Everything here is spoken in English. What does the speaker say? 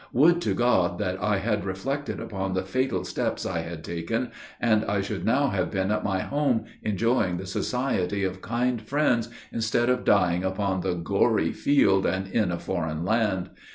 Would to God that I had reflected upon the fatal steps I had taken, and I should now have been at my home, enjoying the society of kind friends, instead of dying upon the gory field, and in a foreign land.